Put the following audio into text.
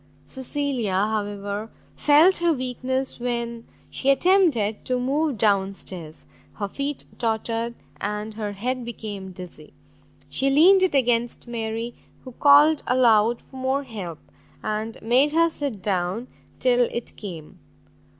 Cecilia, however, felt her weakness when she attempted to move down stairs; her feet tottered, and her head became dizzy; she leaned it against Mary, who called aloud for more help, and made her sit down till it came.